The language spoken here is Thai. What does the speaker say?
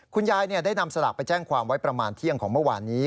คุณยายได้นำสลากไปแจ้งความไว้ประมาณเที่ยงของเมื่อวานนี้